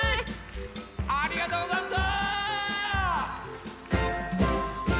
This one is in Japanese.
ありがとうござんす！